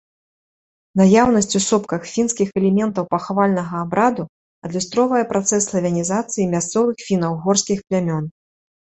Наяўнасць у сопках фінскіх элементаў пахавальнага абраду адлюстроўвае працэс славянізацыі мясцовых фіна-угорскіх плямён.